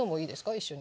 一緒に。